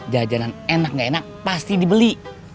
jajanan enak gak enak pasti dibeli